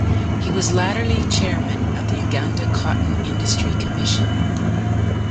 He was latterly Chairman of the Uganda Cotton Industry Commission.